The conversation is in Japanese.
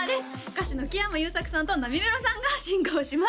歌手の木山裕策さんとなみめろさんが進行します